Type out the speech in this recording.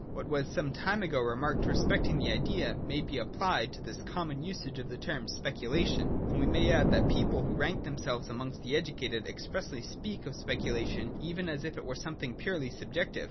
What was some time ago remarked respecting the Idea, may be applied to this common usage of the term ' specula tion ': and we may add that people who rank themselves amongst the educated expressly speak of speculation even as if it were something purely subjective.